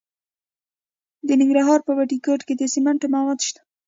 د ننګرهار په بټي کوټ کې د سمنټو مواد شته.